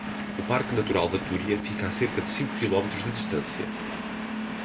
O Parque Natural da Túria fica a cerca de cinco quilómetros de distância.